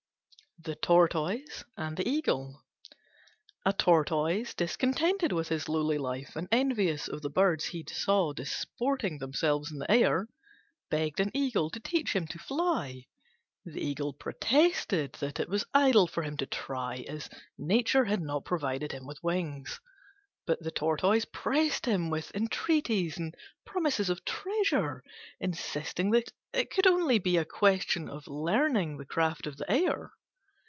THE TORTOISE AND THE EAGLE A Tortoise, discontented with his lowly life, and envious of the birds he saw disporting themselves in the air, begged an Eagle to teach him to fly. The Eagle protested that it was idle for him to try, as nature had not provided him with wings; but the Tortoise pressed him with entreaties and promises of treasure, insisting that it could only be a question of learning the craft of the air.